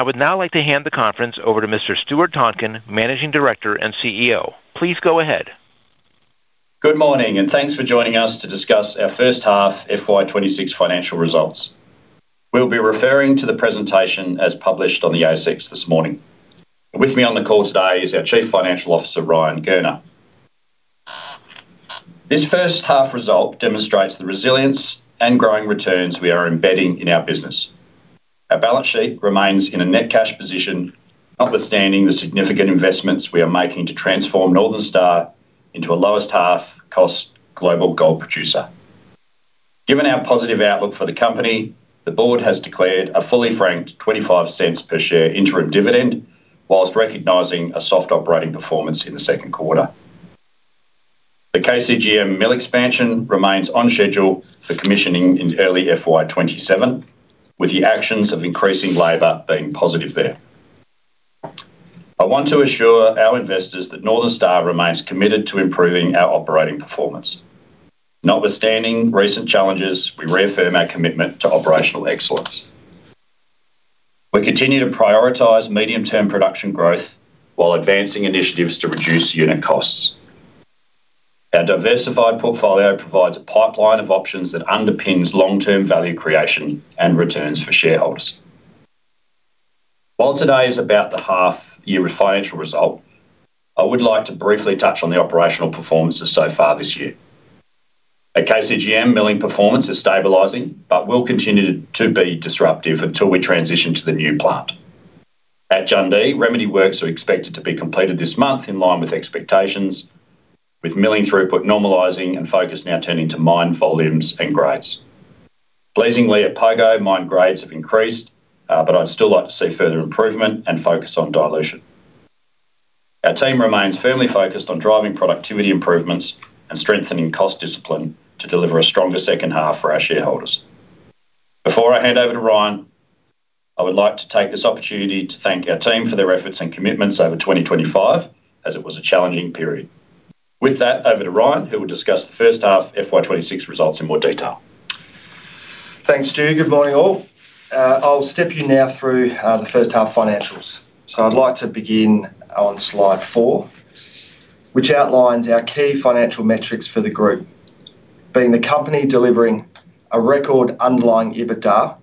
I would now like to hand the conference over to Mr. Stuart Tonkin, Managing Director and CEO. Please go ahead. Good morning, and thanks for joining us to discuss our first half FY 2026 financial results. We'll be referring to the presentation as published on the ASX this morning. With me on the call today is our Chief Financial Officer, Ryan Gurner. This first half result demonstrates the resilience and growing returns we are embedding in our business. Our balance sheet remains in a net cash position, notwithstanding the significant investments we are making to transform Northern Star into a lowest-half-cost global gold producer. Given our positive outlook for the company, the board has declared a fully franked 0.25 per share interim dividend while recognizing a soft operating performance in the second quarter. The KCGM mill expansion remains on schedule for commissioning in early FY 2027, with the actions of increasing labor being positive there. I want to assure our investors that Northern Star remains committed to improving our operating performance. Notwithstanding recent challenges, we reaffirm our commitment to operational excellence. We continue to prioritize medium-term production growth while advancing initiatives to reduce unit costs. Our diversified portfolio provides a pipeline of options that underpins long-term value creation and returns for shareholders. While today is about the half-year financial result, I would like to briefly touch on the operational performances so far this year. Our KCGM milling performance is stabilizing but will continue to be disruptive until we transition to the new plant. At Jundee, remedy works are expected to be completed this month in line with expectations, with milling throughput normalizing and focus now turning to mine volumes and grades. Pleasingly, at Pogo, mine grades have increased, but I'd still like to see further improvement and focus on dilution. Our team remains firmly focused on driving productivity improvements and strengthening cost discipline to deliver a stronger second half for our shareholders. Before I hand over to Ryan, I would like to take this opportunity to thank our team for their efforts and commitments over 2025, as it was a challenging period. With that, over to Ryan, who will discuss the first half FY 2026 results in more detail. Thanks, Stu. Good morning, all. I'll step you now through the first half financials. So I'd like to begin on slidefour, which outlines our key financial metrics for the group, being the company delivering a record underlying EBITDA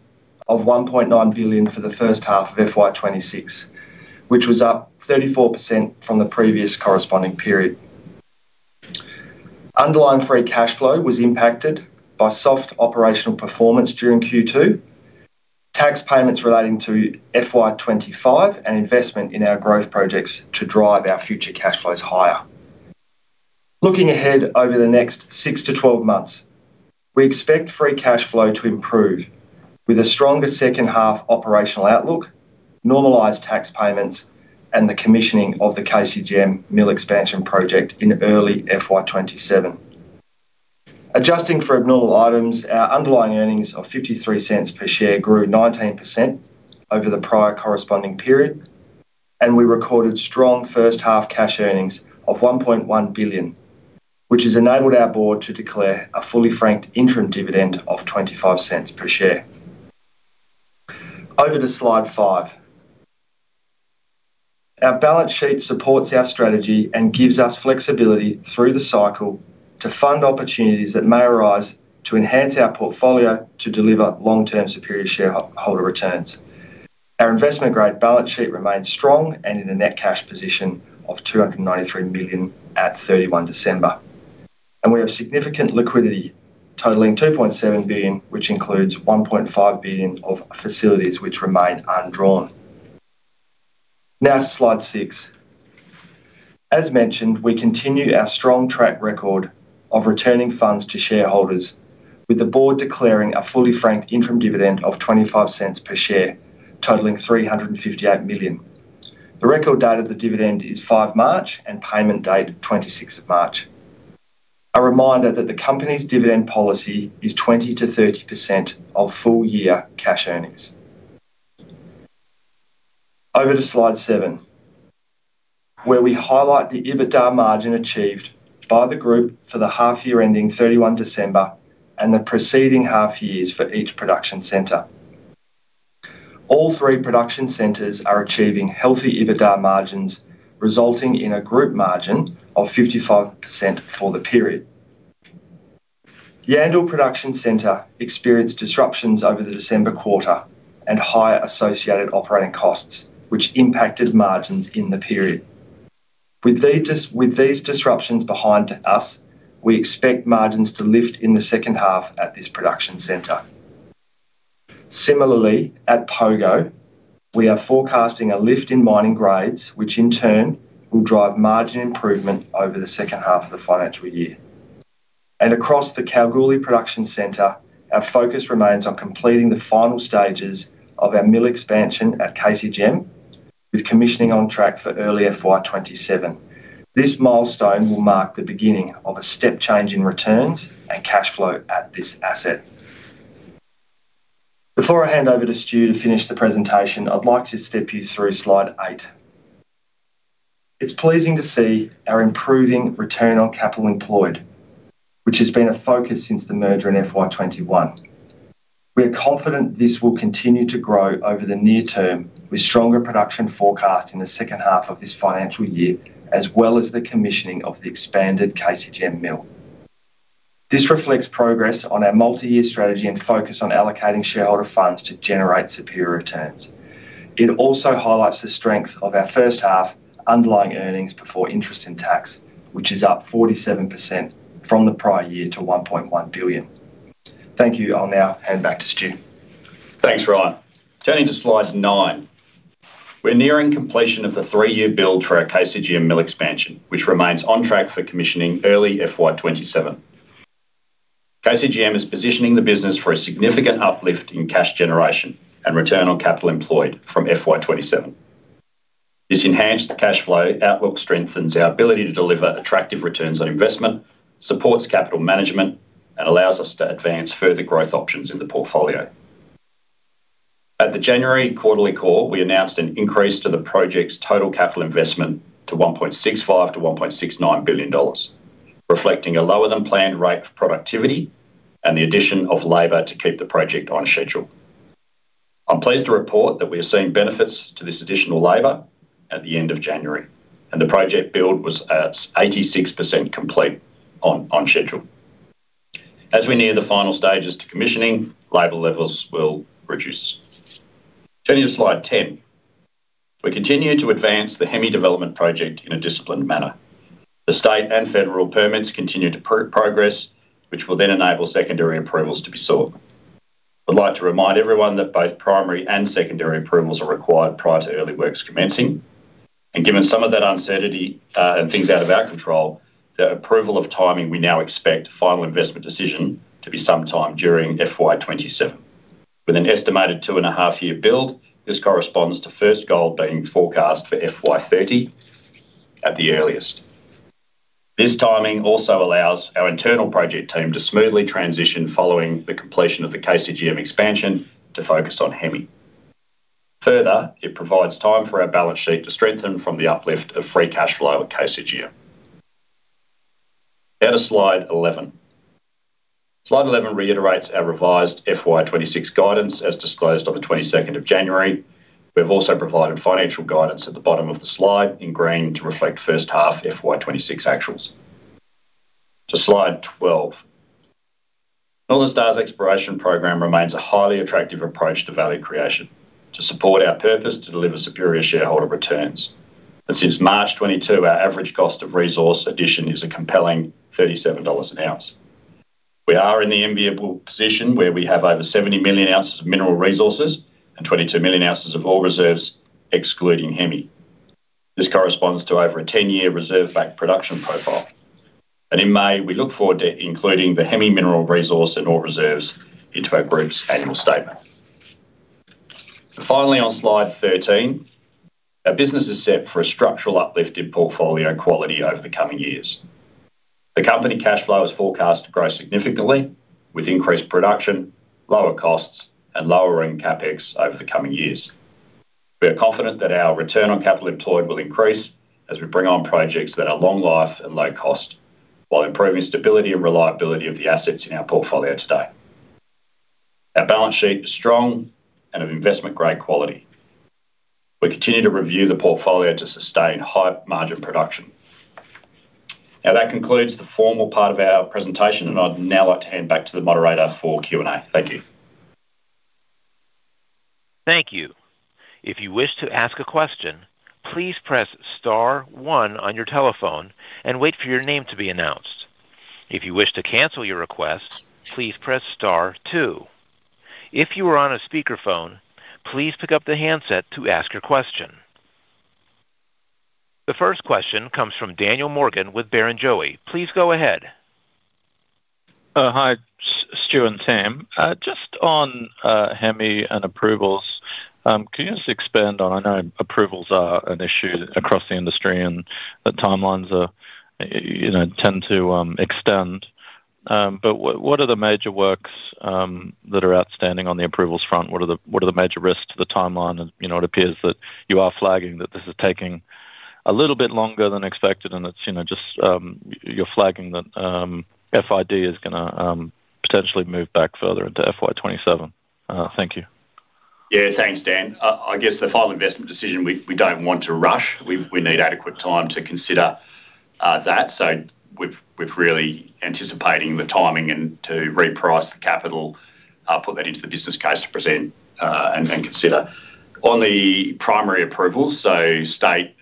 of 1.9 billion for the first half of FY 2026, which was up 34% from the previous corresponding period. Underlying free cash flow was impacted by soft operational performance during Q2, tax payments relating to FY 2025, and investment in our growth projects to drive our future cash flows higher. Looking ahead over the next six to 12 months, we expect free cash flow to improve with a stronger second half operational outlook, normalised tax payments, and the commissioning of the KCGM mill expansion project in early FY 2027. Adjusting for abnormal items, our underlying earnings of 0.53 per share grew 19% over the prior corresponding period, and we recorded strong first half cash earnings of 1.1 billion, which has enabled our board to declare a fully franked interim dividend of 0.25 per share. Over to slide five. Our balance sheet supports our strategy and gives us flexibility through the cycle to fund opportunities that may arise to enhance our portfolio to deliver long-term superior shareholder returns. Our investment grade balance sheet remains strong and in a net cash position of 293 million at 31 December, and we have significant liquidity totaling 2.7 billion, which includes 1.5 billion of facilities, which remain undrawn. Now slide six. As mentioned, we continue our strong track record of returning funds to shareholders, with the board declaring a fully franked interim dividend of 0.25 per share totaling 358 million. The record date of the dividend is 5 March and payment date 26 March. A reminder that the company's dividend policy is 20%-30% of full-year cash earnings. Over to slide seven, where we highlight the EBITDA margin achieved by the group for the half-year ending 31 December and the preceding half-years for each production centre. All three production centres are achieving healthy EBITDA margins, resulting in a group margin of 55% for the period. Yandal Production Centre experienced disruptions over the December quarter and higher associated operating costs, which impacted margins in the period. With these disruptions behind us, we expect margins to lift in the second half at this production centre. Similarly, at Pogo, we are forecasting a lift in mining grades, which in turn will drive margin improvement over the second half of the financial year. Across the Kalgoorlie Production Centre, our focus remains on completing the final stages of our mill expansion at KCGM, with commissioning on track for early FY 2027. This milestone will mark the beginning of a step change in returns and cash flow at this asset. Before I hand over to Stu to finish the presentation, I'd like to step you through slide eight. It's pleasing to see our improving return on capital employed, which has been a focus since the merger in FY 2021. We are confident this will continue to grow over the near term, with stronger production forecasts in the second half of this financial year as well as the commissioning of the expanded KCGM mill. This reflects progress on our multi-year strategy and focus on allocating shareholder funds to generate superior returns. It also highlights the strength of our first half underlying earnings before interest and tax, which is up 47% from the prior year to 1.1 billion. Thank you. I'll now hand back to Stu. Thanks, Ryan. Turning to slide nine. We're nearing completion of the three-year build for our KCGM mill expansion, which remains on track for commissioning early FY 2027. KCGM is positioning the business for a significant uplift in cash generation and return on capital employed from FY 2027. This enhanced cash flow outlook strengthens our ability to deliver attractive returns on investment, supports capital management, and allows us to advance further growth options in the portfolio. At the January quarterly call, we announced an increase to the project's total capital investment to 1.65 billion-1.69 billion dollars, reflecting a lower-than-planned rate of productivity and the addition of labor to keep the project on schedule. I'm pleased to report that we are seeing benefits to this additional labor at the end of January, and the project build was at 86% complete on schedule. As we near the final stages to commissioning, labour levels will reduce. Turning to slide 10. We continue to advance the Hemi development project in a disciplined manner. The state and federal permits continue to progress, which will then enable secondary approvals to be sought. I'd like to remind everyone that both primary and secondary approvals are required prior to early works commencing. Given some of that uncertainty and things out of our control, the approval of timing we now expect final investment decision to be sometime during FY 2027. With an estimated 2.5-year build, this corresponds to first gold being forecast for FY 2030 at the earliest. This timing also allows our internal project team to smoothly transition following the completion of the KCGM expansion to focus on Hemi. Further, it provides time for our balance sheet to strengthen from the uplift of free cash flow at KCGM. Now to slide 11. Slide 11 reiterates our revised FY 2026 guidance as disclosed on the 22nd of January. We have also provided financial guidance at the bottom of the slide in green to reflect first half FY 2026 actuals. To slide 12. Northern Star's exploration program remains a highly attractive approach to value creation to support our purpose to deliver superior shareholder returns. And since March 2022, our average cost of resource addition is a compelling 37 dollars an ounce. We are in the enviable position where we have over 70 million oz of mineral resources and 22 million oz of ore reserves excluding Hemi. This corresponds to over a 10-year reserve-backed production profile. And in May, we look forward to including the Hemi mineral resource and ore reserves into our group's annual statement. Finally, on slide 13, our business is set for a structural uplift in portfolio quality over the coming years. The company cash flow is forecast to grow significantly with increased production, lower costs, and lowering CapEx over the coming years. We are confident that our return on capital employed will increase as we bring on projects that are long-life and low-cost while improving stability and reliability of the assets in our portfolio today. Our balance sheet is strong and of investment-grade quality. We continue to review the portfolio to sustain high-margin production. Now, that concludes the formal part of our presentation, and I'd now like to hand back to the moderator for Q&A. Thank you. Thank you. If you wish to ask a question, please press star one on your telephone and wait for your name to be announced. If you wish to cancel your request, please press star two. If you are on a speakerphone, please pick up the handset to ask your question. The first question comes from Daniel Morgan with Barrenjoey. Please go ahead. Hi, Stu and team. Just on Hemi and approvals, could you just expand on I know approvals are an issue across the industry and the timelines tend to extend. But what are the major works that are outstanding on the approvals front? What are the major risks to the timeline? And it appears that you are flagging that this is taking a little bit longer than expected, and it's just you're flagging that FID is going to potentially move back further into FY 2027. Thank you. Yeah. Thanks, Dan. I guess the final investment decision, we don't want to rush. We need adequate time to consider that. So we're really anticipating the timing and to reprice the capital, put that into the business case to present and consider. On the primary approvals, so state,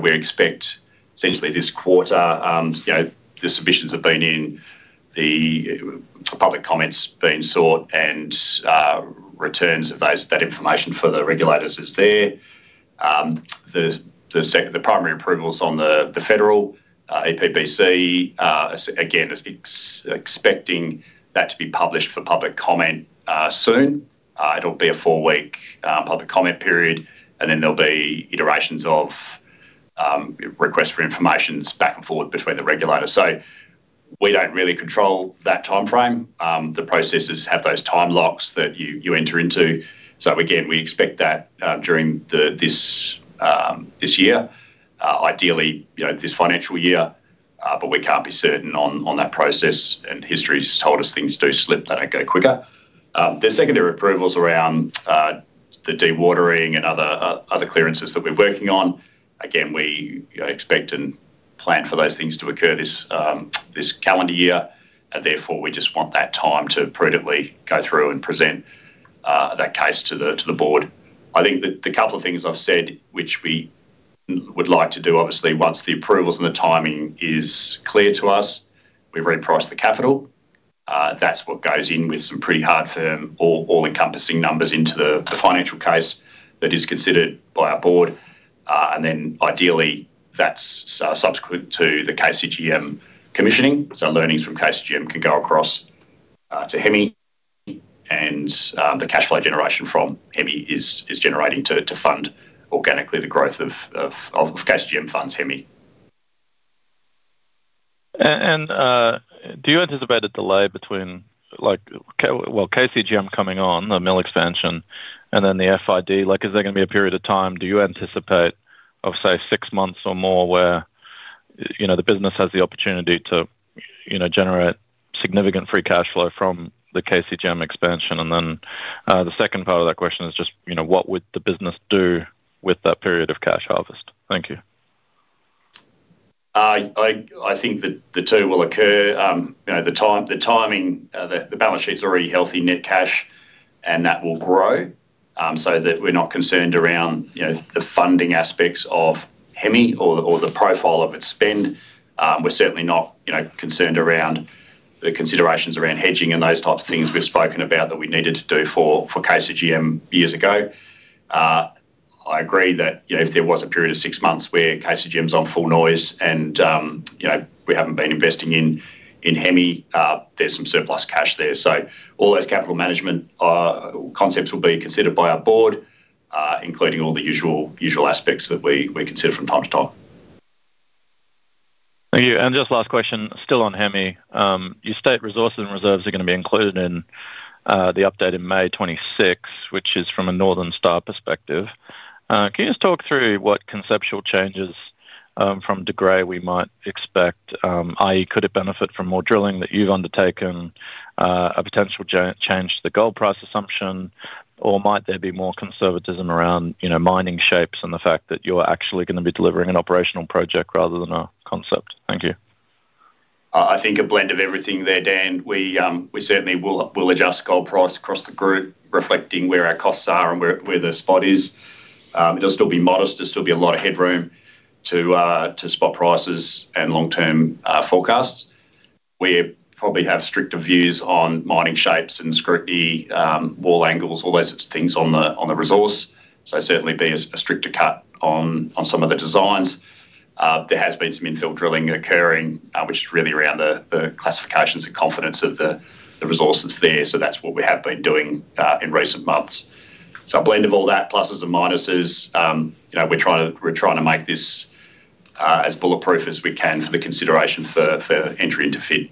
we expect essentially this quarter, the submissions have been in, the public comments being sought, and returns of that information for the regulators is there. The primary approvals on the federal EPBC, again, expecting that to be published for public comment soon. It'll be a four-week public comment period, and then there'll be iterations of requests for informations back and forth between the regulators. So we don't really control that timeframe. The processes have those time locks that you enter into. So again, we expect that during this year, ideally this financial year, but we can't be certain on that process. History has told us things do slip. They don't go quicker. The secondary approvals around the dewatering and other clearances that we're working on, again, we expect and plan for those things to occur this calendar year. Therefore, we just want that time to prudently go through and present that case to the Board. I think the couple of things I've said, which we would like to do, obviously, once the approvals and the timing is clear to us, we reprice the capital. That's what goes in with some pretty hard, firm, all-encompassing numbers into the financial case that is considered by our Board. Then ideally, that's subsequent to the KCGM commissioning. So learnings from KCGM can go across to Hemi, and the cash flow generation from Hemi is generating to fund organically the growth of KCGM, funds Hemi. Do you anticipate a delay between, well, KCGM coming on, the mill expansion, and then the FID? Is there going to be a period of time do you anticipate of, say, six months or more where the business has the opportunity to generate significant free cash flow from the KCGM expansion? And then the second part of that question is just what would the business do with that period of cash harvest? Thank you. I think that the two will occur. The timing, the balance sheet's already healthy net cash, and that will grow so that we're not concerned around the funding aspects of Hemi or the profile of its spend. We're certainly not concerned around the considerations around hedging and those types of things we've spoken about that we needed to do for KCGM years ago. I agree that if there was a period of six months where KCGM's on full noise and we haven't been investing in Hemi, there's some surplus cash there. All those capital management concepts will be considered by our Board, including all the usual aspects that we consider from time to time. Thank you. Just last question, still on Hemi. You state resources and reserves are going to be included in the update in May 2026, which is from a Northern Star perspective. Can you just talk through what conceptual changes from De Grey we might expect, i.e., could it benefit from more drilling that you've undertaken, a potential change to the gold price assumption, or might there be more conservatism around mining shapes and the fact that you're actually going to be delivering an operational project rather than a concept? Thank you. I think a blend of everything there, Dan. We certainly will adjust gold price across the group, reflecting where our costs are and where the spot is. It'll still be modest. There'll still be a lot of headroom to spot prices and long-term forecasts. We probably have stricter views on mining shapes and scrutiny wall angles, all those things on the resource. So certainly be a stricter cut on some of the designs. There has been some infill drilling occurring, which is really around the classifications and confidence of the resources there. So that's what we have been doing in recent months. So a blend of all that, pluses and minuses. We're trying to make this as bulletproof as we can for the consideration for entry into FID.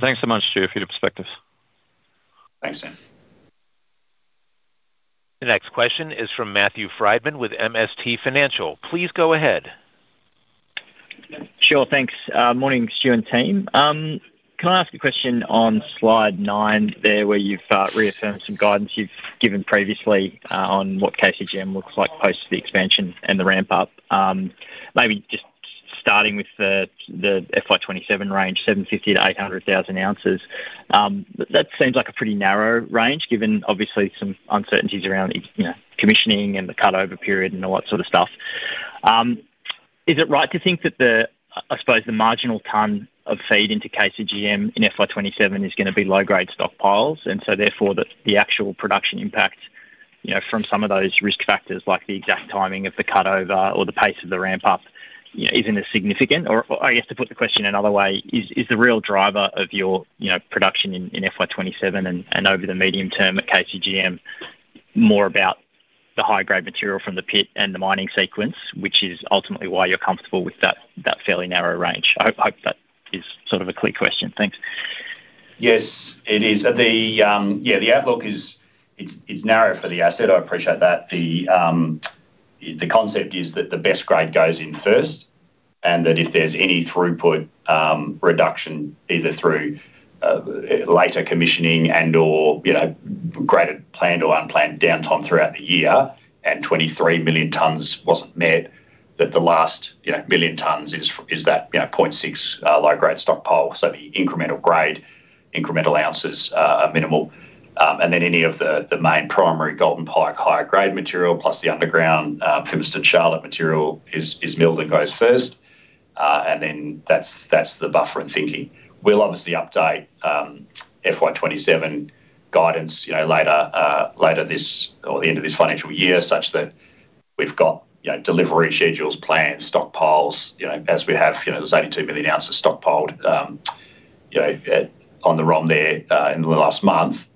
Thanks so much, Stu. For the perspectives. Thanks, Sam. The next question is from Matthew Frydman with MST Financial. Please go ahead. Sure. Thanks. Morning, Stu and team. Can I ask a question on slide nine there where you've reaffirmed some guidance you've given previously on what KCGM looks like post the expansion and the ramp-up? Maybe just starting with the FY 2027 range, 750,000 oz-800,000 oz. That seems like a pretty narrow range given, obviously, some uncertainties around commissioning and the cutover period and all that sort of stuff. Is it right to think that, I suppose, the marginal ton of feed into KCGM in FY 2027 is going to be low-grade stockpiles and so therefore that the actual production impact from some of those risk factors like the exact timing of the cutover or the pace of the ramp-up isn't as significant? Or I guess to put the question another way, is the real driver of your production in FY 2027 and over the medium term at KCGM more about the high-grade material from the pit and the mining sequence, which is ultimately why you're comfortable with that fairly narrow range? I hope that is sort of a clear question. Thanks. Yes, it is. Yeah, the outlook is it's narrow for the asset. I appreciate that. The concept is that the best grade goes in first and that if there's any throughput reduction either through later commissioning and/or greater planned or unplanned downtime throughout the year and 23 million tonnes wasn't met, that the last million tonnes is that 0.6 low-grade stockpile. So the incremental grade, incremental ounces are minimal. And then any of the main primary Golden Pike higher-grade material plus the underground Mt Charlotte material is milled and goes first. And then that's the buffering thinking. We'll obviously update FY 2027 guidance later this or the end of this financial year such that we've got delivery schedules, plans, stockpiles. As we have those 82 million oz stockpiled on the ROM there in the last month,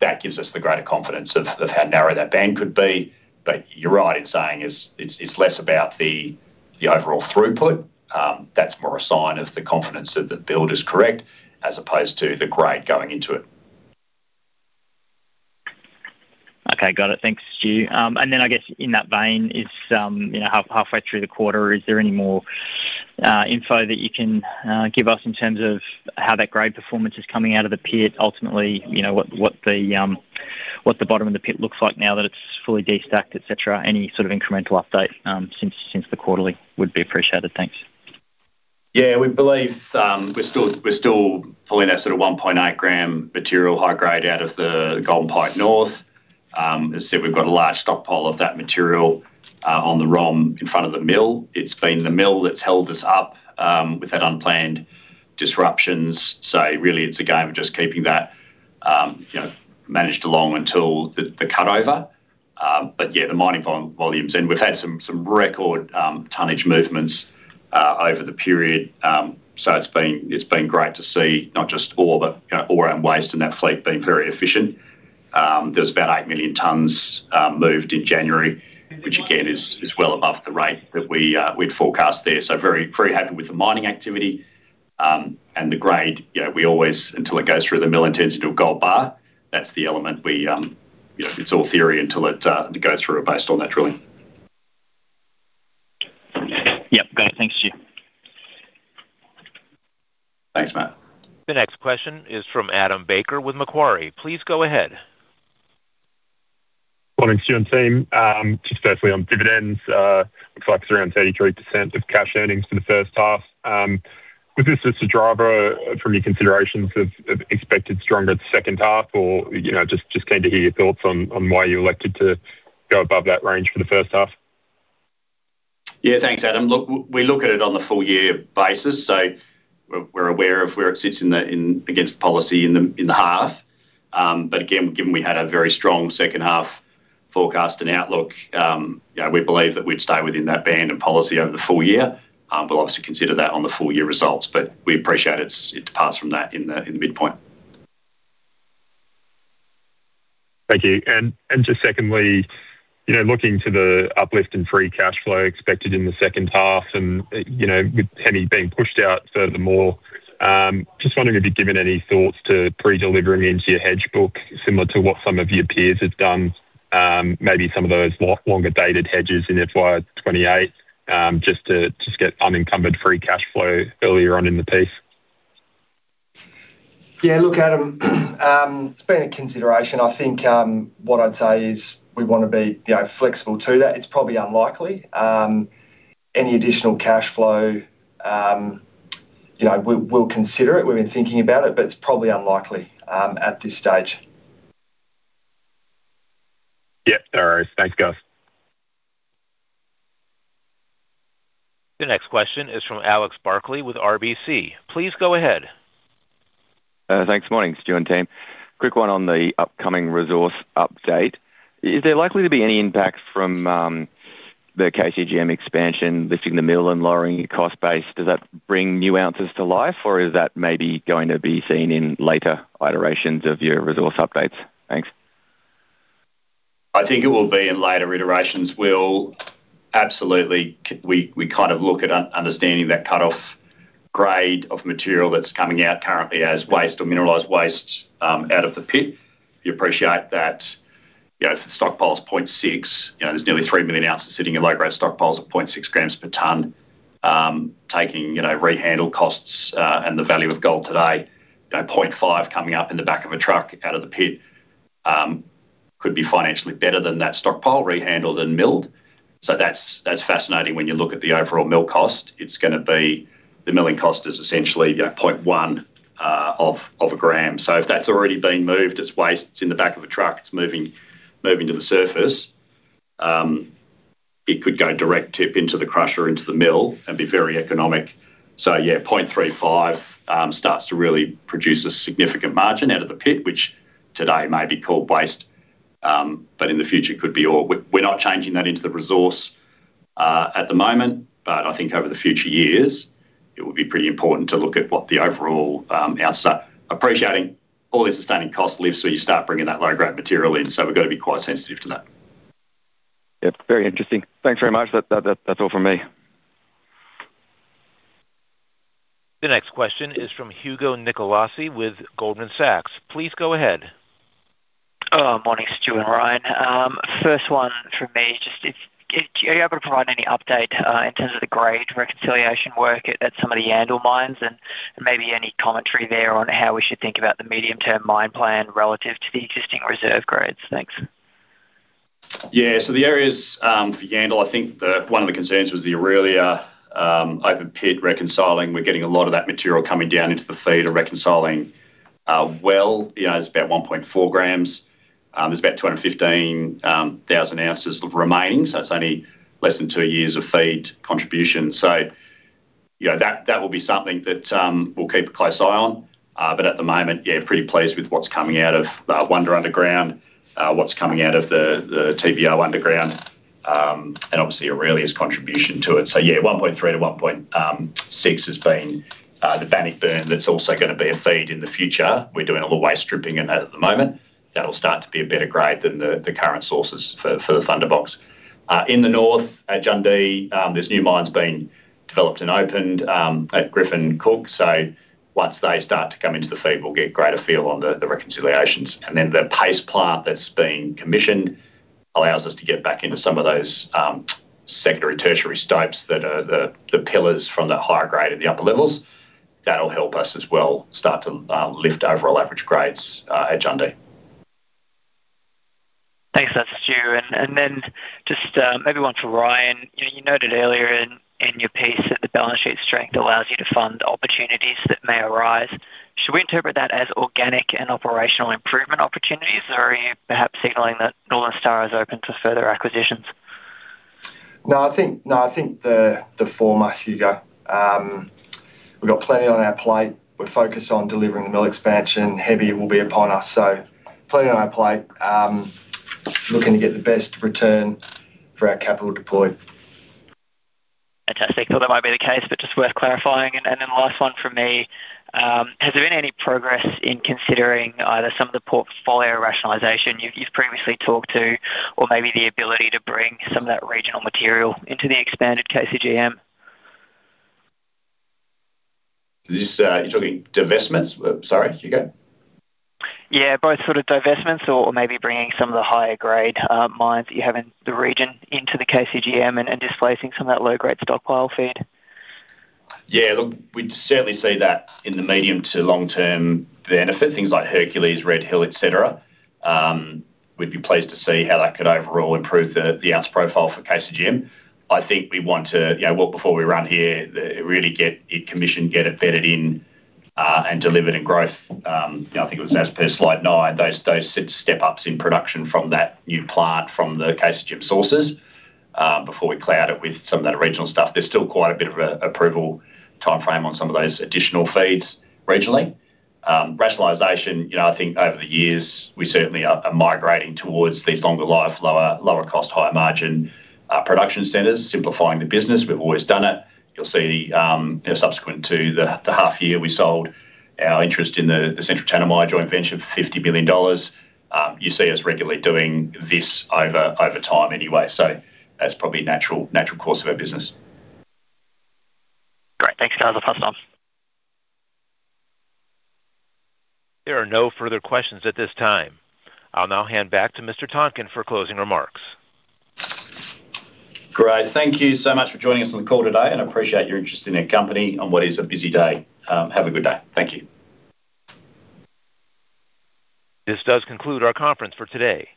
that gives us the greater confidence of how narrow that band could be. You're right in saying it's less about the overall throughput. That's more a sign of the confidence that the build is correct as opposed to the grade going into it. Okay. Got it. Thanks, Stu. Then I guess in that vein, halfway through the quarter, is there any more info that you can give us in terms of how that grade performance is coming out of the pit, ultimately what the bottom of the pit looks like now that it's fully destacked, etc.? Any sort of incremental update since the quarterly would be appreciated. Thanks. Yeah. We believe we're still pulling that sort of 1.8 g material high-grade out of the Golden Pike North. As I said, we've got a large stockpile of that material on the ROM in front of the mill. It's been the mill that's held us up with that unplanned disruptions. So really, it's a game of just keeping that managed along until the cutover. But yeah, the mining volumes and we've had some record tonnage movements over the period. So it's been great to see not just ore but ore and waste in that fleet being very efficient. There was about 8 million tons moved in January, which again is well above the rate that we'd forecast there. So very happy with the mining activity. The grade, we always until it goes through the mill and turns into a gold bar, that's the element we. It's all theory until it goes through based on that drilling. Yep. Got it. Thanks, Stu. Thanks, Matt. The next question is from Adam Baker with Macquarie. Please go ahead. Morning, Stu and team. Just firstly, on dividends, looks like around 33% of cash earnings for the first half. Was this just a driver from your considerations of expected stronger second half or just came to hear your thoughts on why you elected to go above that range for the first half? Yeah. Thanks, Adam. Look, we look at it on the full-year basis. So we're aware of where it sits against policy in the half. But again, given we had a very strong second-half forecast and outlook, we believe that we'd stay within that band of policy over the full year. We'll obviously consider that on the full-year results, but we appreciate it to pass from that in the midpoint. Thank you. Just secondly, looking to the uplift in free cash flow expected in the second half and with Hemi being pushed out furthermore, just wondering if you're given any thoughts to pre-delivering into your hedge book similar to what some of your peers have done, maybe some of those longer-dated hedges in FY 2028 just to just get unencumbered free cash flow earlier on in the piece? Yeah. Look, Adam, it's been a consideration. I think what I'd say is we want to be flexible to that. It's probably unlikely. Any additional cash flow, we'll consider it. We've been thinking about it, but it's probably unlikely at this stage. Yep. No worries. Thanks, guys. The next question is from Alex Barkley with RBC. Please go ahead. Thanks. Morning, Stu and team. Quick one on the upcoming resource update. Is there likely to be any impact from the KCGM expansion lifting the mill and lowering your cost base? Does that bring new ounces to life or is that maybe going to be seen in later iterations of your resource updates? Thanks. I think it will be in later iterations. We'll absolutely we kind of look at understanding that cutoff grade of material that's coming out currently as waste or mineralized waste out of the pit. We appreciate that if the stockpile's 0.6, there's nearly 3 million oz sitting in low-grade stockpiles of 0.6 g per tonne, taking rehandle costs and the value of gold today, 0.5 g coming up in the back of a truck out of the pit could be financially better than that stockpile rehandle than milled. So that's fascinating when you look at the overall mill cost. It's going to be the milling cost is essentially 0.1 of a gram. So if that's already been moved, it's waste. It's in the back of a truck. It's moving to the surface. It could go direct tip into the crusher into the mill and be very economic. So yeah, 0.35 starts to really produce a significant margin out of the pit, which today may be called waste, but in the future could be ore. We're not changing that into the resource at the moment, but I think over the future years, it will be pretty important to look at what the overall appreciating all these sustaining costs lift so you start bringing that low-grade material in. So we've got to be quite sensitive to that. Yep. Very interesting. Thanks very much. That's all from me. The next question is from Hugo Nicolaci with Goldman Sachs. Please go ahead. Morning, Stu and Ryan. First one from me. Are you able to provide any update in terms of the grade reconciliation work at some of the Yandal mines and maybe any commentary there on how we should think about the medium-term mine plan relative to the existing reserve grades? Thanks. Yeah. So the areas for Yandal, I think one of the concerns was the earlier open pit reconciling. We're getting a lot of that material coming down into the feed and reconciling well. It's about 1.4 g. There's about 215,000 oz remaining. So it's only less than two years of feed contribution. So that will be something that we'll keep a close eye on. But at the moment, yeah, pretty pleased with what's coming out of Wonder Underground, what's coming out of the TBO Underground, and obviously Orelia's contribution to it. So yeah, 1.3-1.6 has been the Bannockburn that's also going to be a feed in the future. We're doing a little waste stripping in that at the moment. That'll start to be a better grade than the current sources for the Thunderbox. In the north at Jundee, there's new mines being developed and opened at Griffin. So once they start to come into the feed, we'll get greater feel on the reconciliations. And then the paste plant that's been commissioned allows us to get back into some of those secondary-tertiary stopes that are the pillars from that higher grade in the upper levels. That'll help us as well start to lift overall average grades at Jundee. Thanks so much, Stu. And then just maybe one for Ryan. You noted earlier in your piece that the balance sheet strength allows you to fund opportunities that may arise. Should we interpret that as organic and operational improvement opportunities or are you perhaps signalling that Northern Star is open to further acquisitions? No, I think the former, Hugo. We've got plenty on our plate. We're focused on delivering the mill expansion. Hemi will be upon us. So plenty on our plate. Looking to get the best return for our capital deployed. Fantastic. Thought that might be the case, but just worth clarifying. And then the last one from me. Has there been any progress in considering either some of the portfolio rationalisation you've previously talked to or maybe the ability to bring some of that regional material into the expanded KCGM? You're talking divestments? Sorry, Hugo. Yeah. Both sort of divestments or maybe bringing some of the higher-grade mines that you have in the region into the KCGM and displacing some of that low-grade stockpile feed? Yeah. Look, we'd certainly see that in the medium- to long-term benefit, things like Hercules, Red Hill, etc. We'd be pleased to see how that could overall improve the ounce profile for KCGM. I think we want to walk before we run here, really get it commissioned, get it vetted in, and delivered in growth. I think it was as per slide nine, those step-ups in production from that new plant from the KCGM sources before we cloud it with some of that original stuff. There's still quite a bit of an approval timeframe on some of those additional feeds regionally. Rationalization, I think over the years, we certainly are migrating towards these longer life, lower cost, higher margin production centers, simplifying the business. We've always done it. You'll see subsequent to the half-year we sold our interest in the Central Tanami joint venture for 50 million dollars. You see us regularly doing this over time anyway. So that's probably a natural course of our business. Great. Thanks, guys. I'll pass it on. There are no further questions at this time. I'll now hand back to Mr. Tonkin for closing remarks. Great. Thank you so much for joining us on the call today and appreciate your interest in our company on what is a busy day. Have a good day. Thank you. This does conclude our conference for today.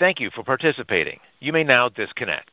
Thank you for participating. You may now disconnect.